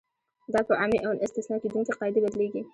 دا په عامې او نه استثنا کېدونکې قاعدې بدلیږي.